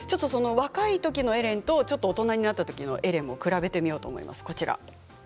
若い時のエレンと大人になった時のエレンを比べてみようと思います。